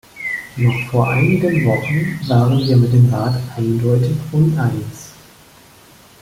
Noch vor einigen Wochen waren wir mit dem Rat eindeutig uneins.